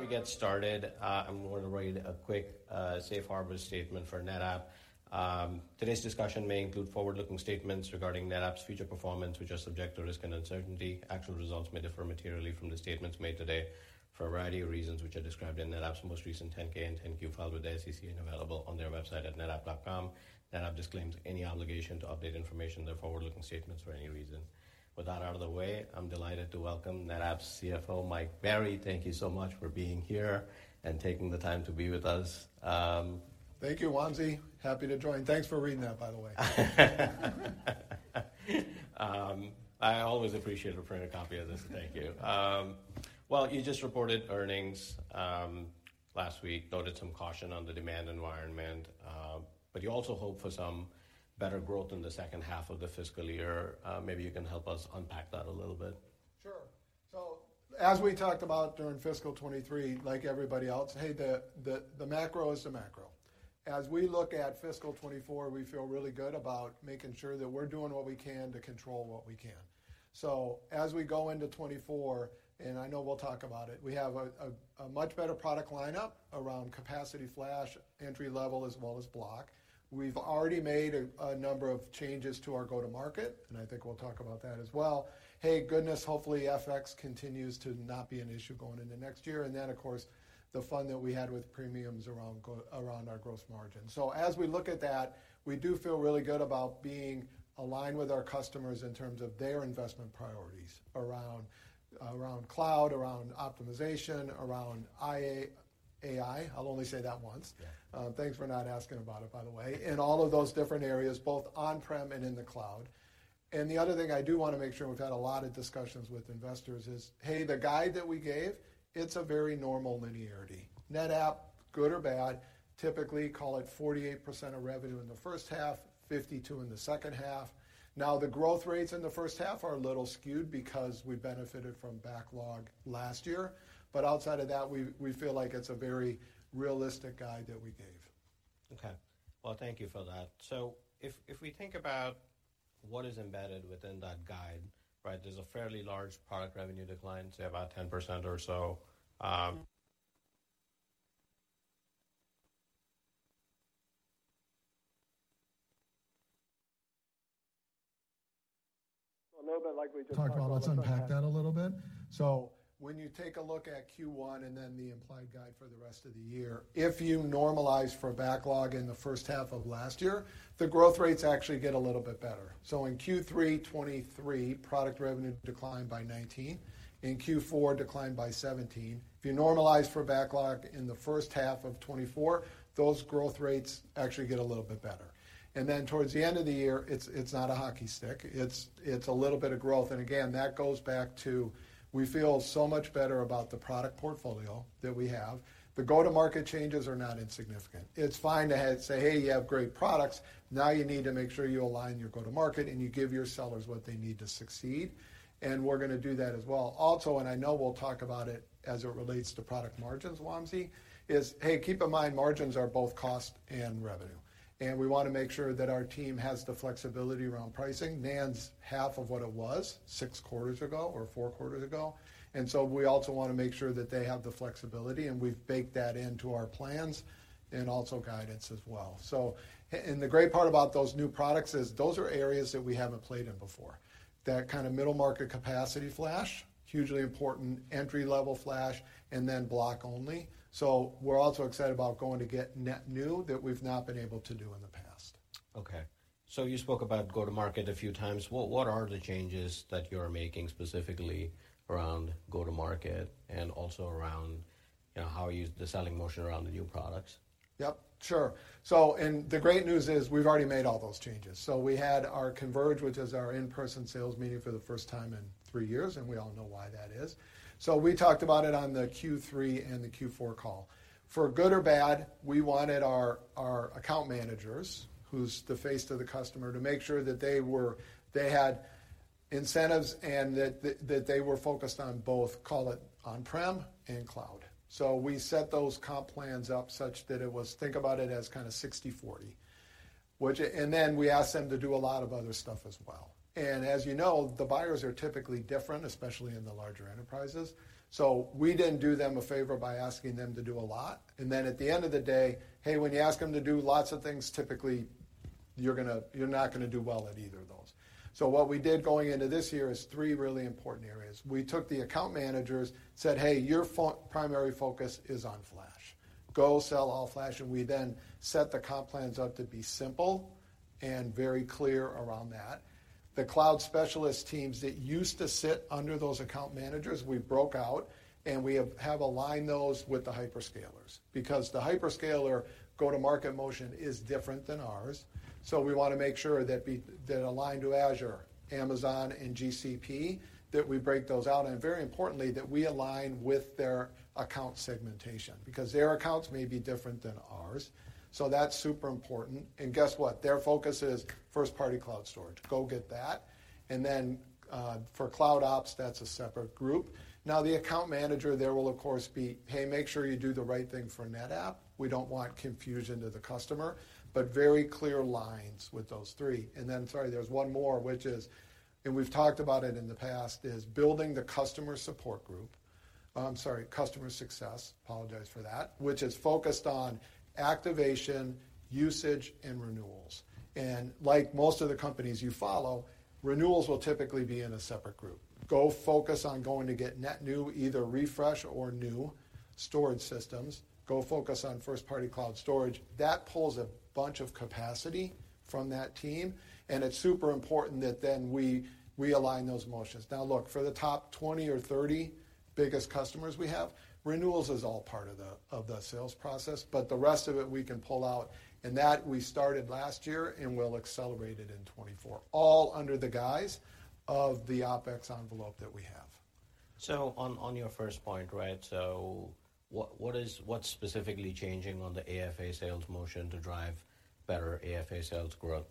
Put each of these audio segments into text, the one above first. Before we get started, I'm going to read a quick safe harbor statement for NetApp. Today's discussion may include forward-looking statements regarding NetApp's future performance, which are subject to risk and uncertainty. Actual results may differ materially from the statements made today for a variety of reasons, which are described in NetApp's most recent 10-K and 10-Q filed with the SEC and available on their website at netapp.com. NetApp disclaims any obligation to update information, their forward-looking statements for any reason. With that out of the way, I'm delighted to welcome NetApp's CFO, Mike Berry. Thank you so much for being here and taking the time to be with us. Thank you, Wamsi. Happy to join. Thanks for reading that, by the way. I always appreciate a printed copy of this. Thank you. Well, you just reported earnings last week. Noted some caution on the demand environment, but you also hope for some better growth in the second half of the fiscal year. Maybe you can help us unpack that a little bit. Sure. As we talked about during fiscal 2023, like everybody else, the macro is the macro. As we look at fiscal 2024, we feel really good about making sure that we're doing what we can to control what we can. As we go into 2024, and I know we'll talk about it, we have a much better product lineup around capacity flash, entry level, as well as block. We've already made a number of changes to our go-to-market, and I think we'll talk about that as well. Hey, goodness, hopefully FX continues to not be an issue going into next year. Of course, the fun that we had with premiums around our gross margin. As we look at that, we do feel really good about being aligned with our customers in terms of their investment priorities around cloud, around optimization, around AI. I'll only say that once. Yeah. Thanks for not asking about it, by the way. In all of those different areas, both on-prem and in the cloud. The other thing I do want to make sure we've had a lot of discussions with investors is, hey, the guide that we gave, it's a very normal linearity. NetApp, good or bad, typically call it 48% of revenue in the first half, 52% in the second half. The growth rates in the first half are a little skewed because we benefited from backlog last year. Outside of that, we feel like it's a very realistic guide that we gave. Okay. Well, thank you for that. If we think about what is embedded within that guide, right? There's a fairly large product revenue decline, say about 10% or so. Well, a little bit like we just talked about. Let's unpack that a little bit. When you take a look at Q1 and then the implied guide for the rest of the year, if you normalize for backlog in the first half of last year, the growth rates actually get a little bit better. In Q3 2023, product revenue declined by 19%. In Q4, declined by 17%. If you normalize for backlog in the first half of 2024, those growth rates actually get a little bit better. Towards the end of the year, it's not a hockey stick, it's a little bit of growth. Again, that goes back to we feel so much better about the product portfolio that we have. The go-to-market changes are not insignificant. It's fine to ahead say, "Hey, you have great products," now you need to make sure you align your go-to-market, and you give your sellers what they need to succeed, and we're gonna do that as well. I know we'll talk about it as it relates to product margins, Wamsi, is, hey, keep in mind, margins are both cost and revenue, and we want to make sure that our team has the flexibility around pricing. NAND's half of what it was 6 quarters ago or 4 quarters ago, we also want to make sure that they have the flexibility, and we've baked that into our plans and also guidance as well. The great part about those new products is those are areas that we haven't played in before. That kind of middle market capacity flash, hugely important entry-level flash and then block only. We're also excited about going to get net new that we've not been able to do in the past. Okay, you spoke about go-to-market a few times. What are the changes that you're making specifically around go-to-market and also around, you know, the selling motion around the new products? Yep, sure. The great news is we've already made all those changes. We had our Converge, which is our in-person sales meeting for the first time in three years, and we all know why that is. We talked about it on the Q3 and the Q4 call. For good or bad, we wanted our account managers, who's the face to the customer, to make sure that they had incentives and that they were focused on both, call it on-prem and cloud. We set those comp plans up such that it was, think about it, as kind of 60/40. Then we asked them to do a lot of other stuff as well. As you know, the buyers are typically different, especially in the larger enterprises. We didn't do them a favor by asking them to do a lot. At the end of the day, hey, when you ask them to do lots of things, typically you're not gonna do well at either of those. What we did going into this year is three really important areas. We took the account managers, said, "Hey, your primary focus is on flash. Go sell all flash." We then set the comp plans up to be simple and very clear around that. The cloud specialist teams that used to sit under those account managers, we broke out, and we have aligned those with the hyperscalers. The hyperscaler go-to-market motion is different than ours, so we want to make sure that aligned to Azure, Amazon, and GCP, that we break those out, and very importantly, that we align with their account segmentation, because their accounts may be different than ours. That's super important. Guess what? Their focus is first-party cloud storage. Go get that. For cloud ops, that's a separate group. Now, the account manager there will, of course, be, "Hey, make sure you do the right thing for NetApp." We don't want confusion to the customer, very clear lines with those three. Sorry, there's one more, which is, and we've talked about it in the past, is building the customer support group. I'm sorry, customer success, apologize for that, which is focused on activation, usage, and renewals. Like most of the companies you follow, renewals will typically be in a separate group. Go focus on going to get net new, either refresh or new storage systems. Go focus on first-party cloud storage. That pulls a bunch of capacity from that team, and it's super important that then we align those motions. Now, look, for the top 20 or 30 biggest customers we have, renewals is all part of the sales process, but the rest of it we can pull out, and that we started last year, and we'll accelerate it in 2024, all under the guise of the OpEx envelope that we have. on your first point, right, what's specifically changing on the AFA sales motion to drive better AFA sales growth?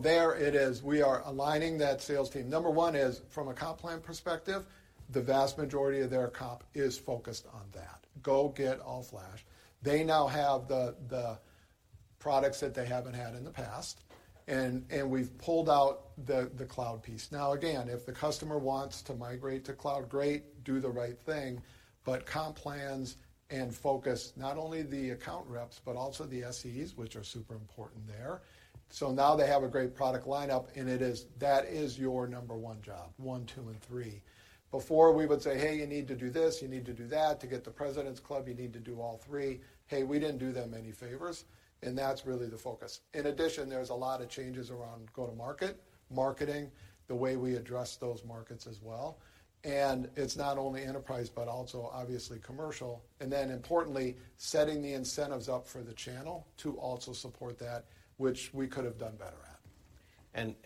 There it is. We are aligning that sales team. Number 1 is, from a comp plan perspective, the vast majority of their comp is focused on that. Go get all flash. They now have the products that they haven't had in the past, and we've pulled out the cloud piece. Again, if the customer wants to migrate to cloud, great, do the right thing, but comp plans and focus, not only the account reps, but also the SEs, which are super important there. Now they have a great product lineup. That is your number 1 job, 1, 2, and 3. Before we would say, "Hey, you need to do this, you need to do that. To get the President's Club, you need to do all 3." We didn't do them any favors, and that's really the focus.In addition, there's a lot of changes around go-to-market, marketing, the way we address those markets as well, and it's not only enterprise, but also obviously commercial, and then importantly, setting the incentives up for the channel to also support that, which we could have done better at.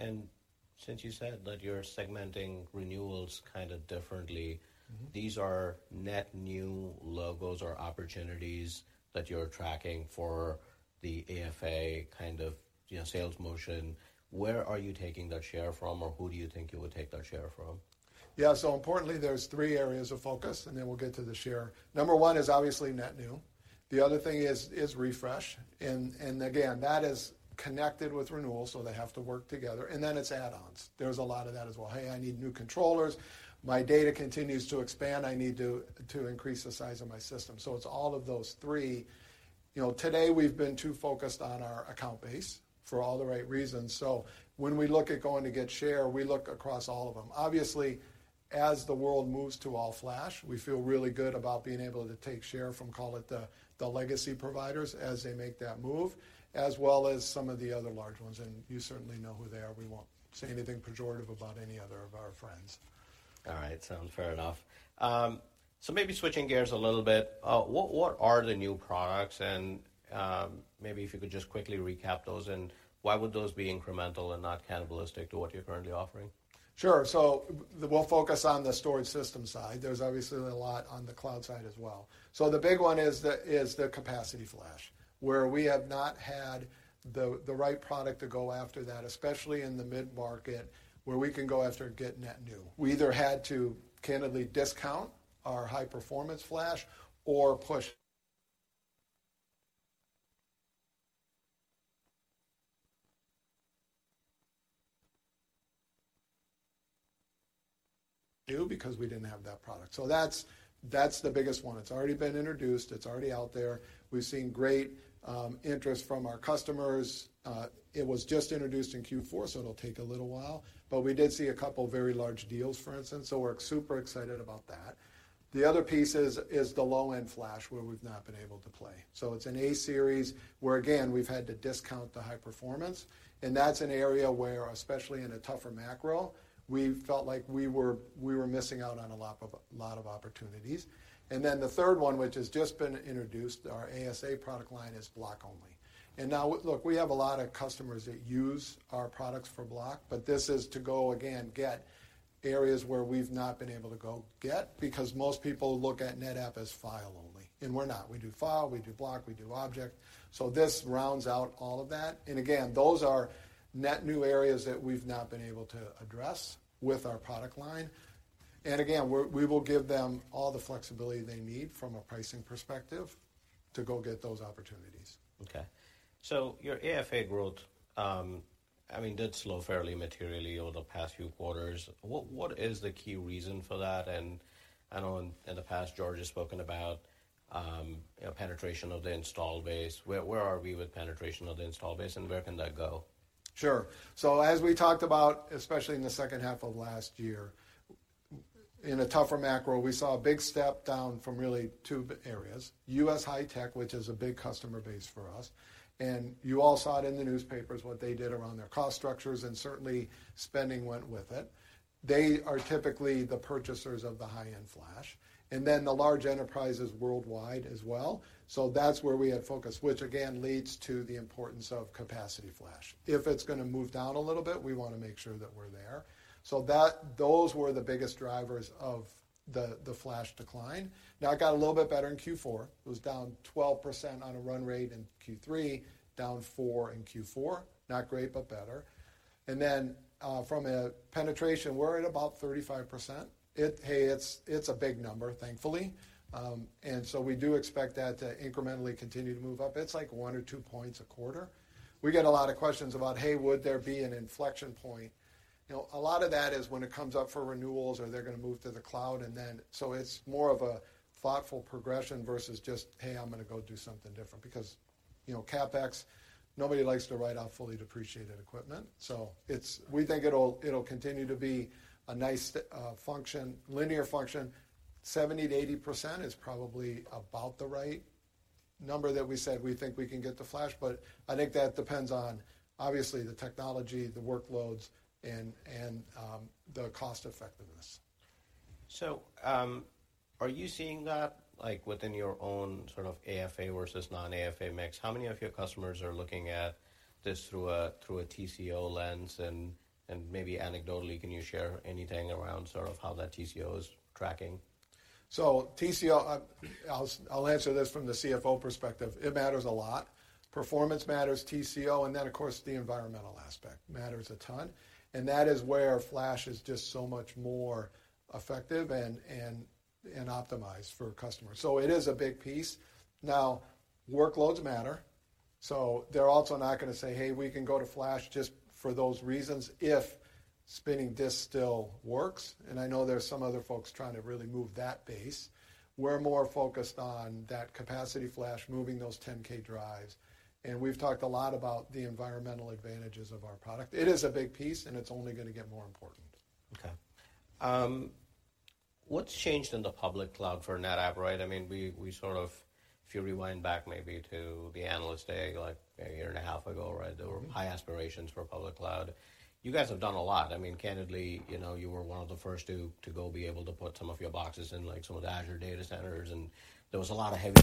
Since you said that you're segmenting renewals kind of differently. Mm-hmm. These are net new logos or opportunities that you're tracking for the AFA kind of, you know, sales motion. Where are you taking that share from, or who do you think you will take that share from? Importantly, there's three areas of focus, and then we'll get to the share. Number one is obviously net new. The other thing is refresh, and again, that is connected with renewal, so they have to work together. Then it's add-ons. There's a lot of that as well. "Hey, I need new controllers. My data continues to expand. I need to increase the size of my system." It's all of those three. You know, today we've been too focused on our account base for all the right reasons. When we look at going to get share, we look across all of them. Obviously, as the world moves to all flash, we feel really good about being able to take share from, call it the legacy providers, as they make that move, as well as some of the other large ones, you certainly know who they are. We won't say anything pejorative about any other of our friends. All right. Sounds fair enough. Maybe switching gears a little bit, what are the new products, and, maybe if you could just quickly recap those, and why would those be incremental and not cannibalistic to what you're currently offering? Sure. We'll focus on the storage system side. There's obviously a lot on the cloud side as well. The big one is the capacity flash, where we have not had the right product to go after that, especially in the mid-market, where we can go after and get net new. We either had to candidly discount our high-performance flash or push... new because we didn't have that product. That's the biggest one. It's already been introduced. It's already out there. We've seen great interest from our customers. It was just introduced in Q4, so it'll take a little while, but we did see a couple of very large deals, for instance, so we're super excited about that. The other piece is the low-end flash, where we've not been able to play. It's an A-Series where, again, we've had to discount the high performance, and that's an area where, especially in a tougher macro, we felt like we were missing out on a lot of opportunities. Then the third one, which has just been introduced, our ASA product line, is block only. Now, look, we have a lot of customers that use our products for block, but this is to go, again, get areas where we've not been able to go get, because most people look at NetApp as file only, and we're not. We do file, we do block, we do object. This rounds out all of that. Again, those are net new areas that we've not been able to address with our product line. Again, we will give them all the flexibility they need from a pricing perspective to go get those opportunities. Okay. Your AFA growth, I mean, did slow fairly materially over the past few quarters. What is the key reason for that? I know in the past, George has spoken about, you know, penetration of the install base. Where, where are we with penetration of the install base, and where can that go? Sure. As we talked about, especially in the second half of last year, in a tougher macro, we saw a big step down from really two areas: U.S. high tech, which is a big customer base for us, and you all saw it in the newspapers, what they did around their cost structures, and certainly spending went with it. They are typically the purchasers of the high-end flash, and then the large enterprises worldwide as well. That's where we had focus, which again, leads to the importance of capacity flash. If it's gonna move down a little bit, we want to make sure that we're there. Those were the biggest drivers of the flash decline. It got a little bit better in Q4. It was down 12% on a run rate in Q3, down 4% in Q4. Not great, but better. From a penetration, we're at about 35%. It's a big number, thankfully. We do expect that to incrementally continue to move up. It's like one or two points a quarter. We get a lot of questions about, hey, would there be an inflection point? You know, a lot of that is when it comes up for renewals or they're going to move to the cloud. It's more of a thoughtful progression versus just, hey, I'm going to go do something different, you know, CapEx, nobody likes to write off fully depreciated equipment. We think it'll continue to be a nice function, linear function.70%-80% is probably about the right number that we said we think we can get to flash, but I think that depends on, obviously, the technology, the workloads, and the cost effectiveness. Are you seeing that, like, within your own sort of AFA versus non-AFA mix? How many of your customers are looking at this through a, through a TCO lens? maybe anecdotally, can you share anything around sort of how that TCO is tracking? TCO, I'll answer this from the CFO perspective. It matters a lot. Performance matters, TCO, and then, of course, the environmental aspect matters a ton, and that is where flash is just so much more effective and optimized for customers. It is a big piece. Now, workloads matter, they're also not going to say, "Hey, we can go to flash just for those reasons," if spinning disk still works, and I know there are some other folks trying to really move that base. We're more focused on that capacity flash, moving those 10K drives. We've talked a lot about the environmental advantages of our product. It is a big piece, and it's only going to get more important. Okay. What's changed in the public cloud for NetApp, right? I mean, we sort of if you rewind back maybe to the Analyst Day, like a year and a half ago, right? Mm-hmm. There were high aspirations for public cloud. You guys have done a lot. I mean candidly, you know, you were one of the first to go be able to put some of your boxes in, like some of the Azure data centers. There was a lot of heavy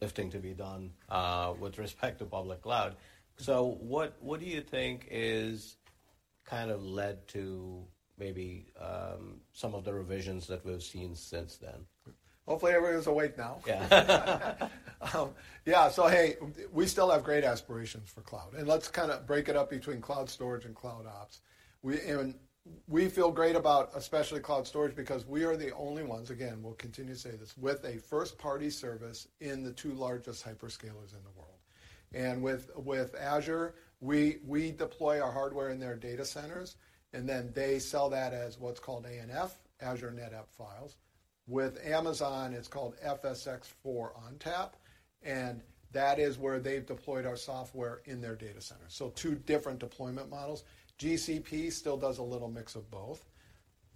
lifting to be done with respect to public cloud. What do you think is kind of led to maybe some of the revisions that we've seen since then? Hopefully, everyone's awake now. Yeah. Yeah. Hey, we still have great aspirations for cloud, and let's kind of break it up between cloud storage and cloud ops. We feel great about especially cloud storage, because we are the only ones, again, we'll continue to say this, with a first-party service in the two largest hyperscalers in the world. With Azure, we deploy our hardware in their data centers, and then they sell that as what's called ANF, Azure NetApp Files. With Amazon, it's called FSx for ONTAP, and that is where they've deployed our software in their data center. Two different deployment models. GCP still does a little mix of both.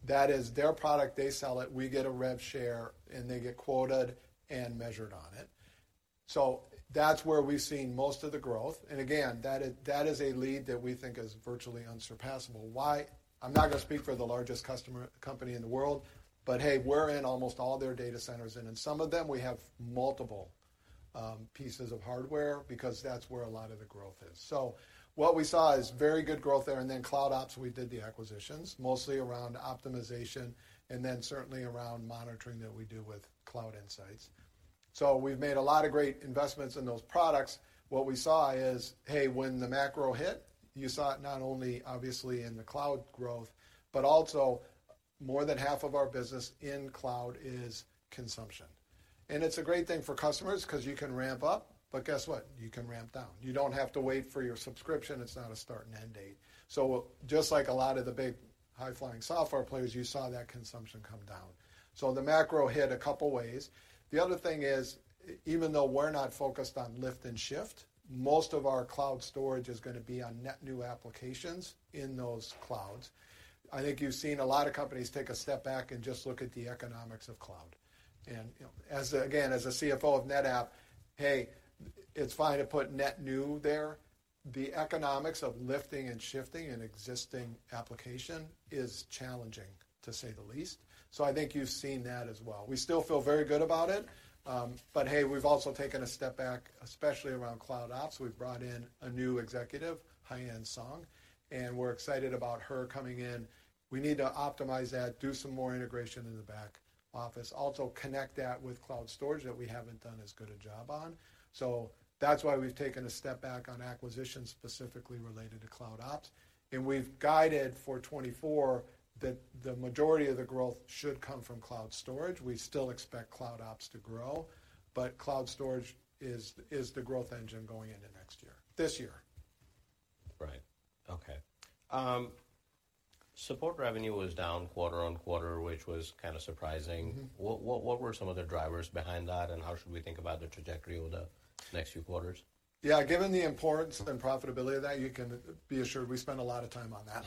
That is their product. They sell it, we get a rev share, and they get quoted and measured on it. That's where we've seen most of the growth. Again, that is a lead that we think is virtually unsurpassable. Why? I'm not going to speak for the largest customer company in the world, but hey, we're in almost all their data centers, and in some of them, we have multiple pieces of hardware because that's where a lot of the growth is. What we saw is very good growth there, and then cloud ops, we did the acquisitions mostly around optimization and then certainly around monitoring that we do with Cloud Insights. We've made a lot of great investments in those products. What we saw is, hey, when the macro hit, you saw it not only obviously in the cloud growth, but also more than half of our business in cloud is consumption. It's a great thing for customers 'cause you can ramp up, but guess what? You can ramp down. You don't have to wait for your subscription. It's not a start and end date. Just like a lot of the big, high-flying software players, you saw that consumption come down. The macro hit a couple ways. The other thing is, even though we're not focused on lift and shift, most of our cloud storage is going to be on net new applications in those clouds. I think you've seen a lot of companies take a step back and just look at the economics of cloud. You know, as, again, as a CFO of NetApp, hey, it's fine to put net new there. The economics of lifting and shifting an existing application is challenging, to say the least. I think you've seen that as well. We still feel very good about it, but hey, we've also taken a step back, especially around cloud ops. We've brought in a new executive, Haiyan Song, and we're excited about her coming in. We need to optimize that, do some more integration in the back office, also connect that with cloud storage that we haven't done as good a job on. That's why we've taken a step back on acquisitions specifically related to cloud ops. We've guided for 2024, that the majority of the growth should come from cloud storage. We still expect cloud ops to grow, cloud storage is the growth engine going into next year. This year. Right. Okay. Support revenue was down quarter-over-quarter, which was kind of surprising. Mm-hmm. What were some of the drivers behind that, and how should we think about the trajectory over the next few quarters? Yeah, given the importance and profitability of that, you can be assured we spend a lot of time on that.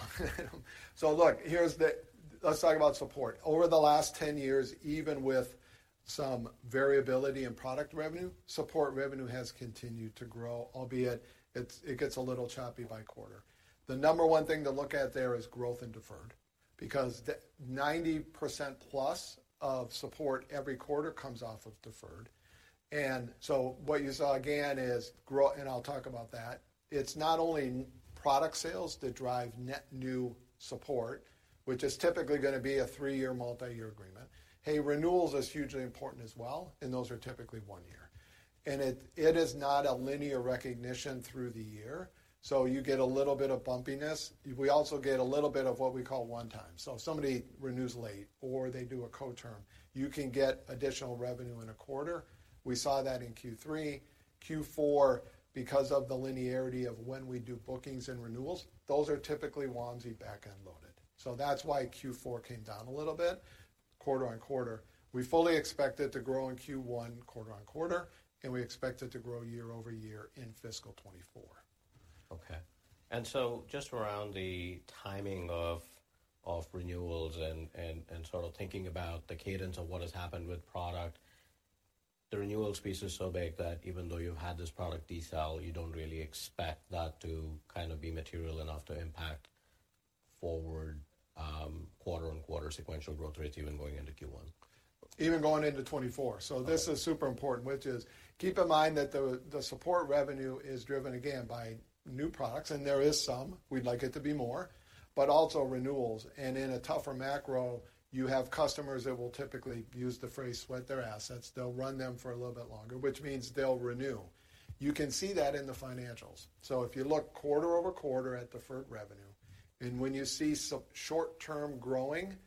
Look, here's the. Let's talk about support. Over the last 10 years, even with some variability in product revenue, support revenue has continued to grow, albeit it's, it gets a little choppy by quarter. The number one thing to look at there is growth in deferred, because the 90%+ of support every quarter comes off of deferred. What you saw again is grow-- and I'll talk about that. It's not only product sales that drive net new support, which is typically going to be a 3-year, multi-year agreement. Hey, renewals is hugely important as well, and those are typically 1 year. It, it is not a linear recognition through the year, so you get a little bit of bumpiness. We also get a little bit of what we call one time. If somebody renews late or they do a co-term, you can get additional revenue in a quarter. We saw that in Q3. Q4, because of the linearity of when we do bookings and renewals, those are typically onesie back-end loaded. That's why Q4 came down a little bit, quarter-on-quarter. We fully expect it to grow in Q1, quarter-on-quarter, and we expect it to grow year-over-year in fiscal 2024. Okay. Just around the timing of renewals and sort of thinking about the cadence of what has happened with product, the renewals piece is so big that even though you've had this product decel, you don't really expect that to kind of be material enough to impact forward quarter-on-quarter sequential growth rates even going into Q1? Even going into 2024. Okay. This is super important, which is, keep in mind that the support revenue is driven again, by new products, and there is some, we'd like it to be more, but also renewals. In a tougher macro, you have customers that will typically use the phrase, "Sweat their assets." They'll run them for a little bit longer, which means they'll renew. You can see that in the financials. If you look quarter-over-quarter at deferred revenue, and when you see some short-term growing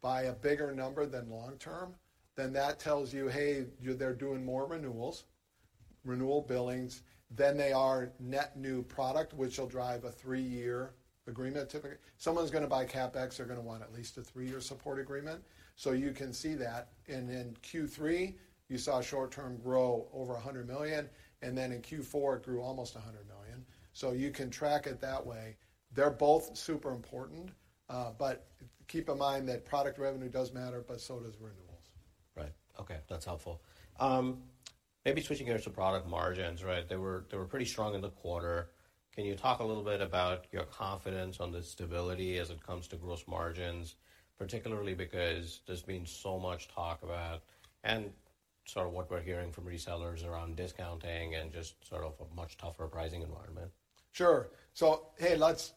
by a bigger number than long-term, then that tells you, hey, they're doing more renewals, renewal billings, than they are net new product, which will drive a 3-year agreement typically. Someone's going to buy CapEx, they're going to want at least a 3-year support agreement. You can see that.In Q3, you saw short-term grow over $100 million, and then in Q4, it grew almost $100 million. You can track it that way. They're both super important, but keep in mind that product revenue does matter, but so does renewals. Right. Okay, that's helpful. Maybe switching here to product margins, right? They were pretty strong in the quarter. Can you talk a little bit about your confidence on the stability as it comes to gross margins, particularly because there's been so much talk about, and sort of what we're hearing from resellers around discounting and just sort of a much tougher pricing environment? Sure. Hey, let's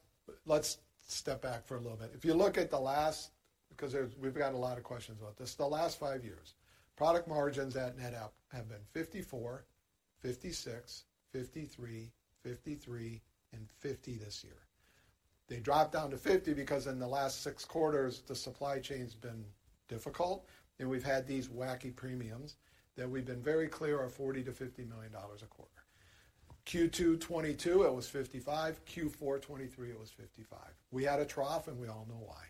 step back for a little bit. If you look at the last because we've got a lot of questions about this. The last 5 years, product margins at NetApp have been 54, 56, 53, and 50 this year. They dropped down to 50 because in the last 6 quarters, the supply chain's been difficult, and we've had these wacky premiums that we've been very clear are $40 million-$50 million a quarter. Q2 2022, it was 55, Q4 2023, it was 55. We had a trough, and we all know why.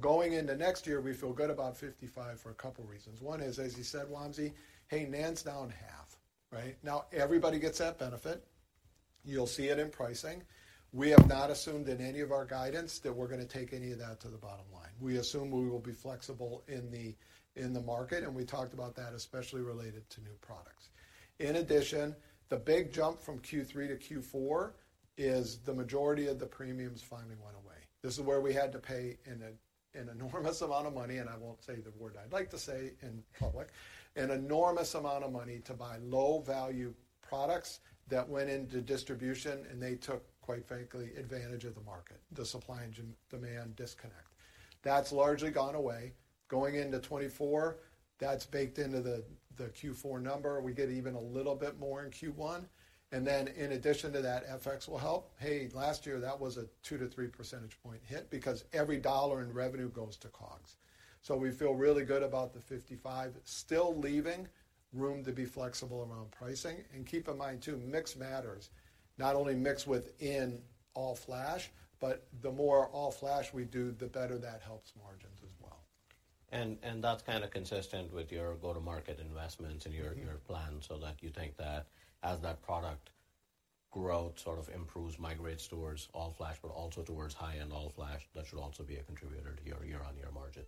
Going into next year, we feel good about 55 for a couple of reasons. One is, as you said, Wamsi, hey, NAND's down half, right? Now, everybody gets that benefit. You'll see it in pricing. We have not assumed in any of our guidance that we're going to take any of that to the bottom line. We assume we will be flexible in the market, and we talked about that, especially related to new products. In addition, the big jump from Q3 to Q4 is the majority of the premiums finally went away. This is where we had to pay an enormous amount of money, and I won't say the word I'd like to say in public, an enormous amount of money to buy low-value products that went into distribution, and they took, quite frankly, advantage of the market, the supply and demand disconnect. That's largely gone away. Going into 2024, that's baked into the Q4 number. We get even a little bit more in Q1. In addition to that, FX will help. Hey, last year, that was a 2 to 3 percentage point hit because every dollar in revenue goes to COGS. We feel really good about the 55%, still leaving room to be flexible around pricing. Keep in mind, too, mix matters. Not only mix within all-flash, but the more all-flash we do, the better that helps margins as well. That's kind of consistent with your go-to-market investments. Mm-hmm. Your plan, so that you think that as that product growth sort of improves, migrates towards all-flash, but also towards high-end all-flash, that should also be a contributor to your year-on-year margin.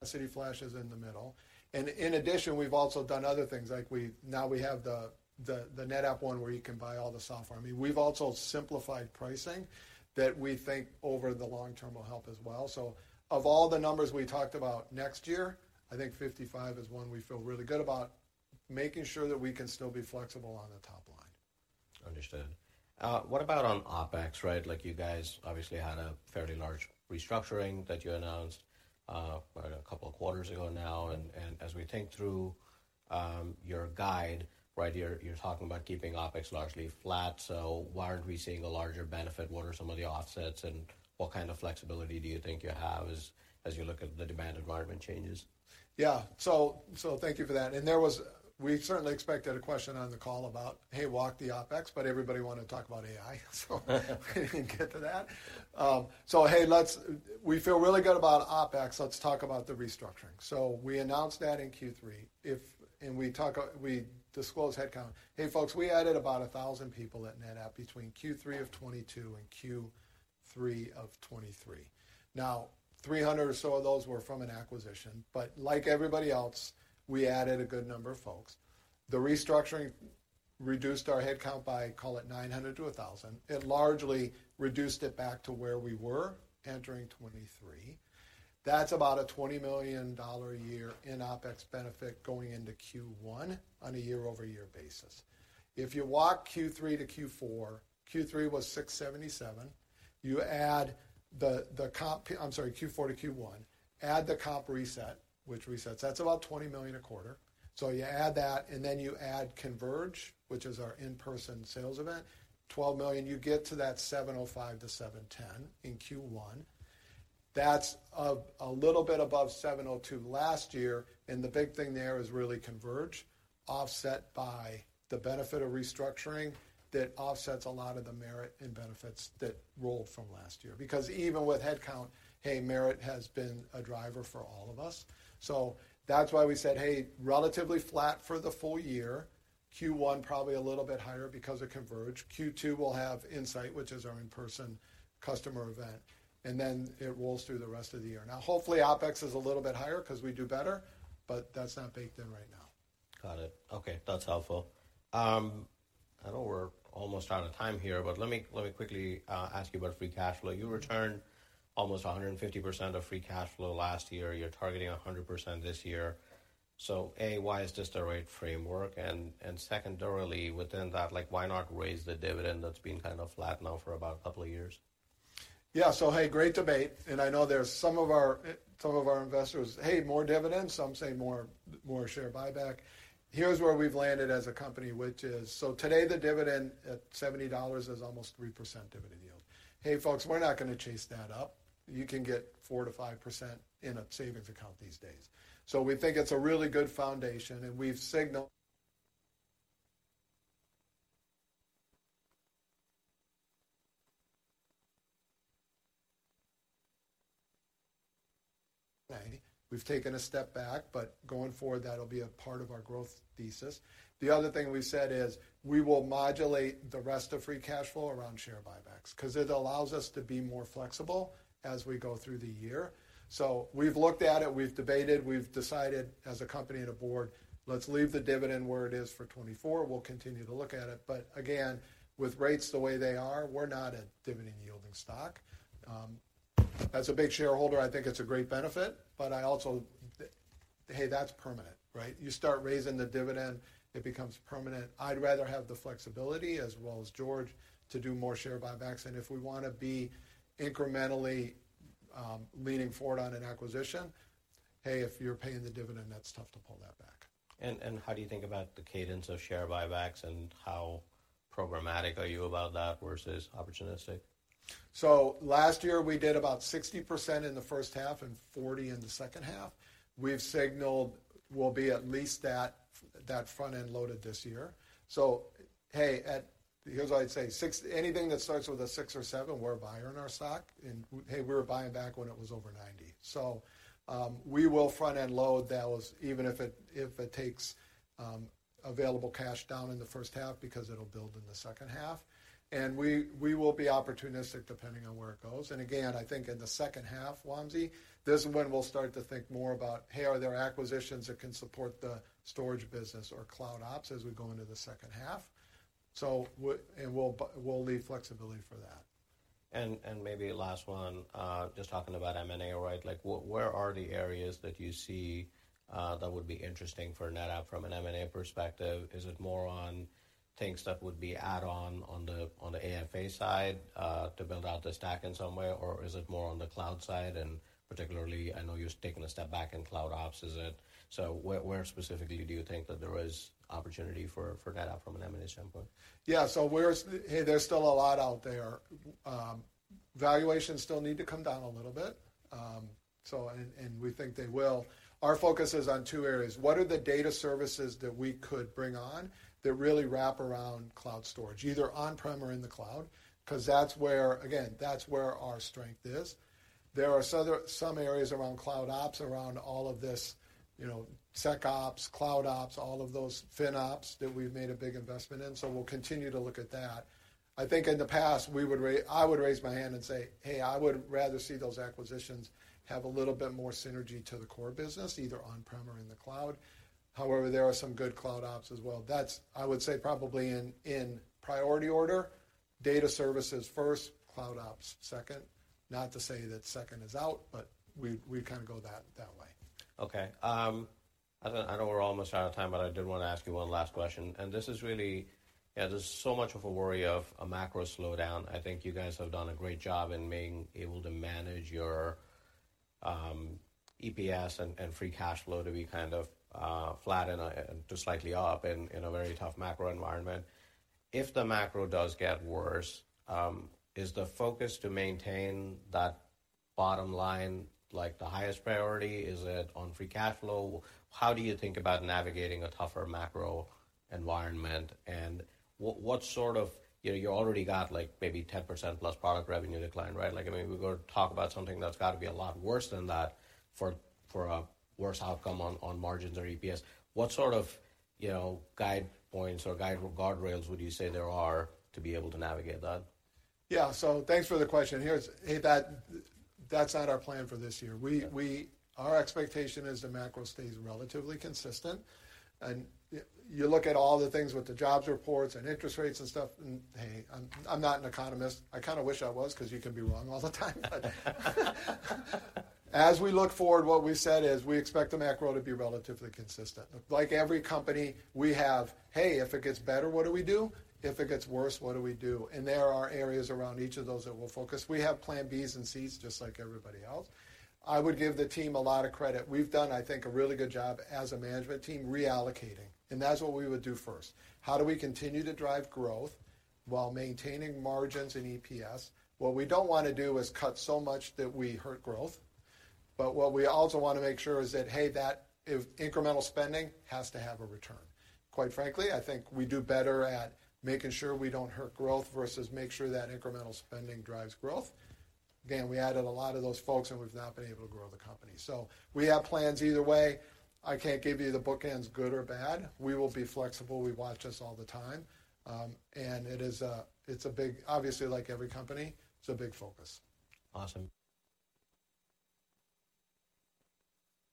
AFF C-Series is in the middle. In addition, we've also done other things like now we have the ONTAP One, where you can buy all the software. I mean, we've also simplified pricing that we think over the long term will help as well. Of all the numbers we talked about next year, I think 55 is one we feel really good about, making sure that we can still be flexible on the top line. Understood. What about on OpEx, right? Like, you guys obviously had a fairly large restructuring that you announced, what, a couple of quarters ago now, and as we think through, your guide, right here, you're talking about keeping OpEx largely flat. Why aren't we seeing a larger benefit? What are some of the offsets, and what kind of flexibility do you think you have as you look at the demand environment changes? Thank you for that. We certainly expected a question on the call about, hey, walk the OpEx, but everybody wanted to talk about AI, we didn't get to that. We feel really good about OpEx. Let's talk about the restructuring. We announced that in Q3. We disclosed headcount. We added about 1,000 people at NetApp between Q3 of 2022 and Q3 of 2023. 300 or so of those were from an acquisition, but like everybody else, we added a good number of folks. The restructuring reduced our headcount by, call it 900 to 1,000. It largely reduced it back to where we were entering 2023. That's about a $20 million a year in OpEx benefit going into Q1 on a year-over-year basis. If you walk Q3 to Q4, Q3 was $677 million. You add the comp, I'm sorry, Q4 to Q1, add the comp reset, which resets. That's about $20 million a quarter. You add that. Then you add Converge, which is our in-person sales event, $12 million, you get to that $705 million-$710 million in Q1. That's a little bit above $702 million last year. The big thing there is really Converge, offset by the benefit of restructuring, that offsets a lot of the merit and benefits that rolled from last year. Even with headcount, hey, merit has been a driver for all of us. That's why we said, hey, relatively flat for the full year. Q1 probably a little bit higher because of Converge.Q2 will have INSIGHT, which is our in-person customer event, and then it rolls through the rest of the year. Now, hopefully, OpEx is a little bit higher because we do better, but that's not baked in right now. Got it. Okay, that's helpful. I know we're almost out of time here, but let me, let me quickly ask you about free cash flow. You returned almost 150% of free cash flow last year. You're targeting 100% this year. A, why is this the right framework? Secondarily, within that, like, why not raise the dividend that's been kind of flat now for about a couple of years? Yeah. Hey, great debate, I know there's some of our, some of our investors, "Hey, more dividends," some say, "More share buyback." Here's where we've landed as a company, which is, today, the dividend at $70 is almost 3% dividend yield. Hey, folks, we're not going to chase that up. You can get 4%-5% in a savings account these days. We think it's a really good foundation, and we've signaled We've taken a step back, but going forward, that'll be a part of our growth thesis. The other thing we've said is we will modulate the rest of free cash flow around share buybacks, 'cause it allows us to be more flexible as we go through the year. We've looked at it, we've debated, we've decided, as a company and a board, let's leave the dividend where it is for 2024.We'll continue to look at it. Again, with rates the way they are, we're not a dividend-yielding stock. As a big shareholder, I think it's a great benefit, but I also, hey, that's permanent, right? You start raising the dividend, it becomes permanent. I'd rather have the flexibility, as well as George, to do more share buybacks, and if we want to be incrementally, leaning forward on an acquisition, hey, if you're paying the dividend, that's tough to pull that back. How do you think about the cadence of share buybacks, and how programmatic are you about that versus opportunistic? Last year we did about 60% in the first half and 40% in the second half. We've signaled we'll be at least at that front-end loaded this year. Hey, here's what I'd say, anything that starts with a 6 or a 7, we're buying our stock, and hey, we were buying back when it was over 90. We will front-end load even if it takes available cash down in the first half, because it'll build in the second half, and we will be opportunistic depending on where it goes. Again, I think in the second half, Wamsi, this is when we'll start to think more about, hey, are there acquisitions that can support the storage business or cloud ops as we go into the second half? And we'll leave flexibility for that. Maybe last one, just talking about M&A, right? Like, where are the areas that you see that would be interesting for NetApp from an M&A perspective? Is it more on things that would be add-on on the AFA side to build out the stack in some way, or is it more on the cloud side? Particularly, I know you're taking a step back in cloud ops. So where specifically do you think that there is opportunity for NetApp from an M&A standpoint? Yeah, hey, there's still a lot out there. Valuations still need to come down a little bit, and we think they will. Our focus is on two areas. What are the data services that we could bring on that really wrap around cloud storage, either on-prem or in the cloud? 'Cause that's where, again, that's where our strength is. There are some areas around cloud ops, around all of this, you know, SecOps, cloud ops, all of those FinOps that we've made a big investment in, we'll continue to look at that. I think in the past, I would raise my hand and say, "Hey, I would rather see those acquisitions have a little bit more synergy to the core business, either on-prem or in the cloud." There are some good cloud ops as well. That's, I would say, probably in priority order, data services first, cloud ops second. Not to say that second is out, but we kind of go that way. Okay, I know we're almost out of time. I did want to ask you one last question. This is really. There's so much of a worry of a macro slowdown. I think you guys have done a great job in being able to manage your EPS and free cash flow to be kind of flat and to slightly up in a very tough macro environment. If the macro does get worse, is the focus to maintain that bottom line, like, the highest priority? Is it on free cash flow? How do you think about navigating a tougher macro environment, and what sort of? You know, you already got, like, maybe 10%+ product revenue decline, right? Like, I mean, we're going to talk about something that's got to be a lot worse than that for a worse outcome on margins or EPS. What sort of, you know, guide points or guide guardrails would you say there are to be able to navigate that? Yeah. Thanks for the question. Hey, that's not our plan for this year. Yeah. Our expectation is the macro stays relatively consistent, and you look at all the things with the jobs reports and interest rates and stuff, and, hey, I'm not an economist. I kind of wish I was, 'cause you can be wrong all the time. As we look forward, what we said is we expect the macro to be relatively consistent. Like every company, we have, "Hey, if it gets better, what do we do? If it gets worse, what do we do?" There are areas around each of those that we'll focus. We have plan B's and C's just like everybody else. I would give the team a lot of credit. We've done, I think, a really good job as a management team, reallocating, and that's what we would do first. How do we continue to drive growth while maintaining margins and EPS? What we don't want to do is cut so much that we hurt growth. What we also want to make sure is that, hey, that if incremental spending has to have a return. Quite frankly, I think we do better at making sure we don't hurt growth versus make sure that incremental spending drives growth. Again, we added a lot of those folks, and we've not been able to grow the company. We have plans either way. I can't give you the bookends, good or bad. We will be flexible. We watch this all the time. It's a big... Obviously, like every company, it's a big focus. Awesome.